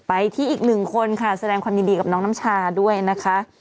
ไปที่อีกหนึ่งคนค่ะแสดงความยินดีกับน้องน้ำชาด้วยนะคะ